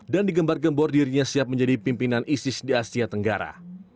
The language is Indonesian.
dan digembar gembor dirinya siap menjadi pimpinan isis di asia tenggara